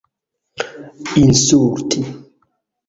insulti